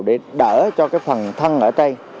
để đỡ cho phần thân ở đây